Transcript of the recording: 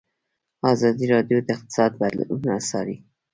ازادي راډیو د اقتصاد بدلونونه څارلي.